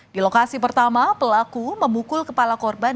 di lokasi pertama pelaku memukul kepala korban